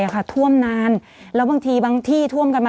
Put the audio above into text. ศูนย์อุตุนิยมวิทยาภาคใต้ฝั่งตะวันอ่อค่ะ